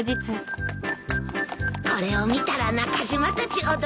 これを見たら中島たち驚くぞ。